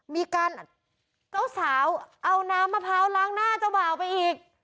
มีการเจ้าสาวเอาน้ำมะพร้าวล้างหน้าเจ้าบ่าวไปอีก